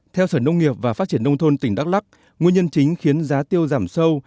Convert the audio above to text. theo sở nông nghiệp và phát triển nông thôn tỉnh đắk lắc nguyên nhân chính khiến giá tiêu giảm sâu